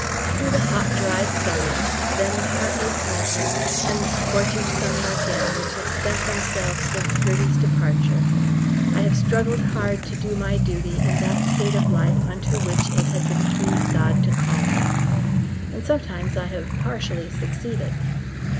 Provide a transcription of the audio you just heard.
Through the hot dry summer, then the heartless winter and the scorching summer again which have spent themselves since Gertie's departure, I have struggled hard to do my duty in that state of life unto which it had pleased God to call me, and sometimes I have partially succeeded.